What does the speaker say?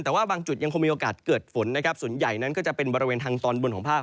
แต่ว่าบางจุดยังคงมีโอกาสเกิดฝนนะครับส่วนใหญ่นั้นก็จะเป็นบริเวณทางตอนบนของภาค